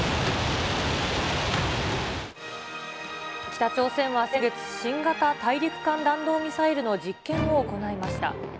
北朝鮮は先月、新型大陸間弾道ミサイルの実験を行いました。